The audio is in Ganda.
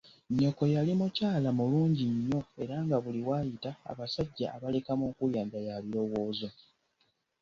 Nnyoko yali mukyala mulungi nnyo era nga buli waayita abasajja abaleka mu nkuyanja ya birowoozo.